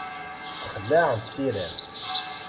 Ssexlaɛent tira-m.